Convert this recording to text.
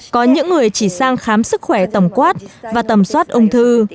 có những người chỉ sang khám sức khỏe tổng quát và tầm soát ung thư